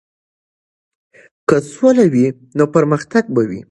که سوله وي نو پرمختګ به وي.